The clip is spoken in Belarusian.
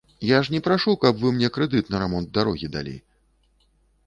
Я ж не прашу каб вы мяне крэдыт на рамонт дарогі далі.